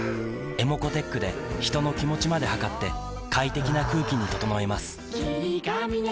ｅｍｏｃｏーｔｅｃｈで人の気持ちまで測って快適な空気に整えます